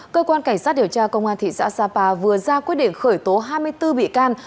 cơ quan cảnh sát điều tra công an thị xã sapa vừa ra quyết định khởi tố hai mươi bốn bị can